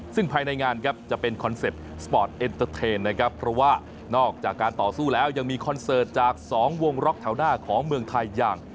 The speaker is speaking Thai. ซึ่งภายในงานครับจะเป็นคอนเซ็ปต์สปอร์ตเอ็นเตอร์เทนนะครับเพราะว่านอกจากการต่อสู้แล้วยังมีคอนเสิร์ตจาก๒วงล็อกแถวหน้าของเมืองไทยอย่าง